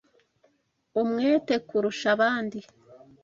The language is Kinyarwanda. umwete kurusha abandi